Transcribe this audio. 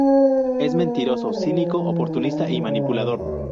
Es mentiroso, cínico, oportunista y manipulador.